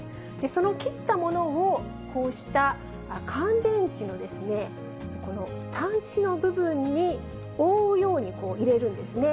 その切ったものを、こうした乾電池のこの端子の部分に、覆うように入れるんですね。